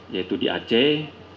yaitu di aceh